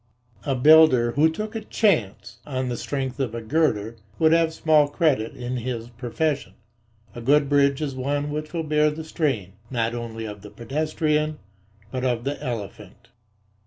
A builder who "took a chance" on the strength of a girder would have small credit in his profession. A good bridge is one which will bear the strain not only of the pedestrian, but of the elephant.